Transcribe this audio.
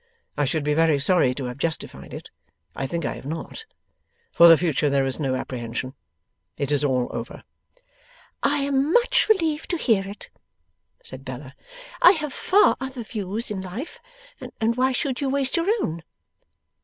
I should be very sorry to have justified it. I think I have not. For the future there is no apprehension. It is all over.' 'I am much relieved to hear it,' said Bella. 'I have far other views in life, and why should you waste your own?